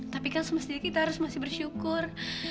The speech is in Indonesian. tapi kan semasa dia kita harus masih bersyukur